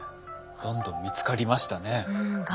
どんどん見つかりましたね。